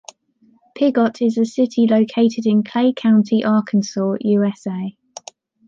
Piggot is a city located in Clay County, Arkansas, USA.